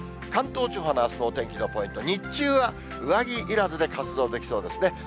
関東地方のあすのお天気のポイント、日中は上着いらずで活動できそうですね。